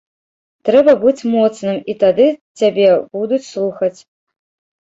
Трэба быць моцным, і тады цябе будуць слухаць.